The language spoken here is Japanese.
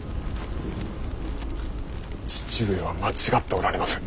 父上は間違っておられます。